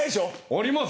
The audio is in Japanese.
あります